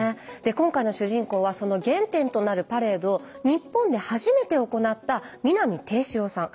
今回の主人公はその原点となるパレードを日本で初めて行った南定四郎さん。